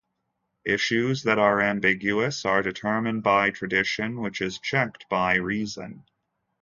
Issues that are ambiguous are determined by tradition, which is checked by reason.